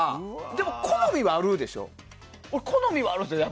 でも、好みはあるでしょ？